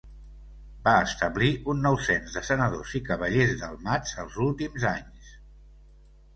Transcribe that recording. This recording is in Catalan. Va establir un nou cens de senadors i cavallers delmats els últims anys.